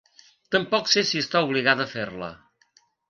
Tampoc sé si està obligada a fer-la.